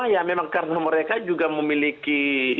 ya memang karena mereka juga memiliki